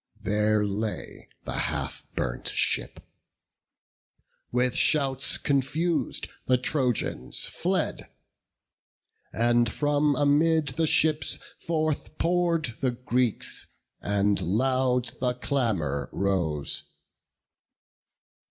There lay the half burnt ship; with shouts confus'd The Trojans fled; and from amid the ships Forth pour'd the Greeks; and loud the clamour rose.